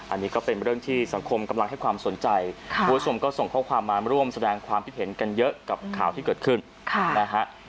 อันนี้ก็เป็นเรื่องที่สังคมกำลังให้ความสนใจคุณผู้ชมก็ส่งข้อความมาร่วมแสดงความคิดเห็นกันเยอะกับข่าวที่เกิดขึ้นนะฮะ